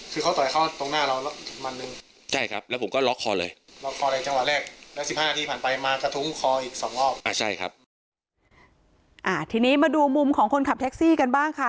คือเค้าต่อยเขาตรงหน้ามานึง